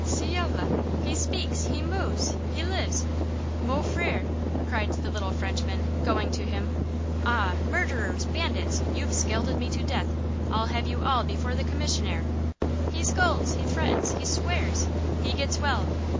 "Ciel! he speaks! he moves! he lives! mon frère!" cried the little Frenchwoman, going to him. "Ah, murderers! bandits! you've scalded me to death! I'll have you all before the commissaire!" "He scolds! he threatens! he swears! he gets well!